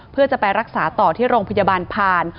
เพื่อจะไปรักษาต่อที่โรงพยาบาลผ่าน